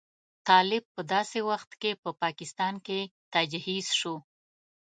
طالب په داسې وخت کې په پاکستان کې تجهیز شو.